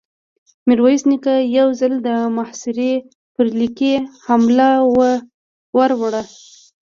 ميرويس نيکه يو ځل د محاصرې پر ليکې حمله ور وړه.